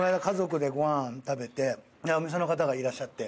とお店の方がいらっしゃって。